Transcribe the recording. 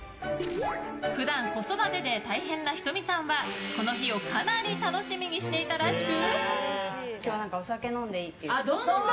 普段、子育てで大変なｈｉｔｏｍｉさんはこの日をかなり楽しみにしていたらしく。